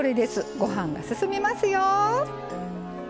ご飯が進みますよ。